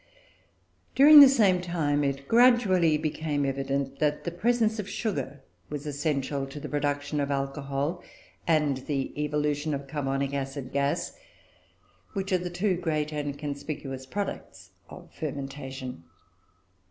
During the same time it gradually became evident that the presence of sugar was essential to the production of alcohol and the evolution of carbonic acid gas, which are the two great and conspicuous products of fermentation.